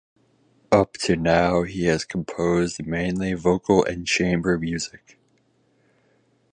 Up to now he has composed mainly vocal and chamber music.